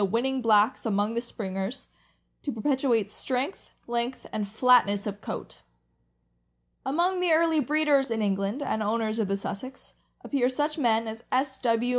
winning blacks among the Springers, to perpetuate strength, length, and flatness of coat. Among the early breeders (in England) and owners of the Sussex, appear such men as S. W.